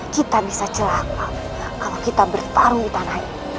kita bisa celaka kalau kita bertarung di tanah ini